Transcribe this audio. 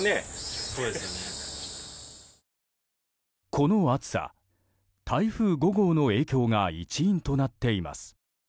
この暑さ、台風５号の影響が一因となっています。